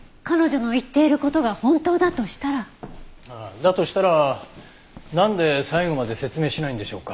だとしたらなんで最後まで説明しないんでしょうか？